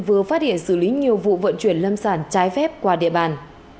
vừa phát hiện xử lý nhiều vụ vận chuyển lâm sản trái phép qua địa bàn